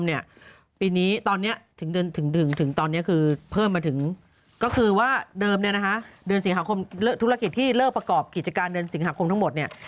วันนี้ถึงตอนนี้คือเพิ่มมาถึง